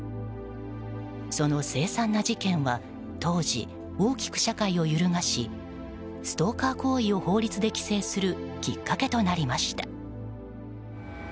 その凄惨な事件は当時、大きく社会を揺るがしストーカー行為を法律で規制するきっかけとなりました。